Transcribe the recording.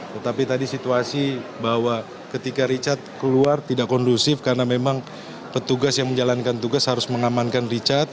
tetapi tadi situasi bahwa ketika richard keluar tidak kondusif karena memang petugas yang menjalankan tugas harus mengamankan richard